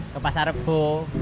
ke pasar bu